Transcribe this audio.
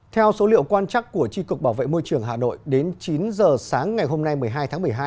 theo số liệu quan chắc của tri cục bảo vệ môi trường hà nội đến chín giờ sáng ngày hôm nay một mươi hai tháng một mươi hai